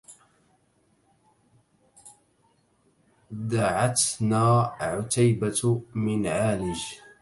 دعتنا عتيبة من عالج